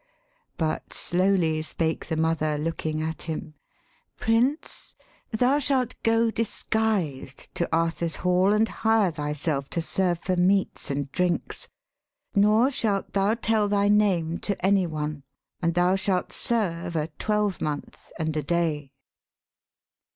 But slowly spake the mother looking at him, ' Prince, thou shalt go disguised to Arthur's hall, And hire thyself to serve for meats and drinks; Nor shalt thou tell thy name to any one. And thou shalt serve a twelvemonth and a day.'